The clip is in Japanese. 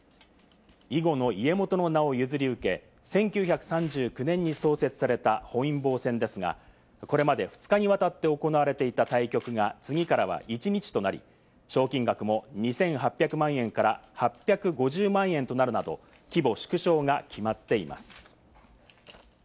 囲碁の家元の名を譲り受け、１９３９年に創設された本因坊戦ですが、これまで２日に渡って行われていた対局が、次からは一日となり、賞金額も２８００万円から８５０万円となるなど、規模縮小が決まっています。